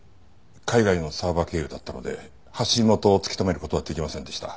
海外のサーバー経由だったので発信元を突き止める事はできませんでした。